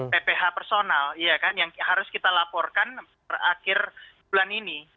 pph personal yang harus kita laporkan akhir bulan ini